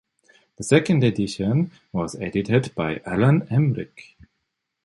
The second edition was edited by Alan Emrich.